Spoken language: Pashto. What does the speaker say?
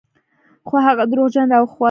خو هغه دروغجن راوخوت.